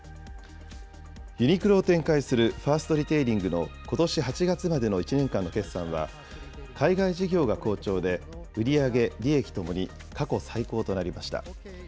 ユニクロを展開するファーストリテイリングのことし８月までの１年間の決算は、海外事業が好調で、売り上げ、利益ともに過去最高となりました。